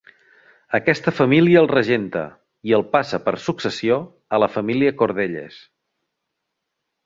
Aquesta família el regenta i el passa per successió a la família Cordelles.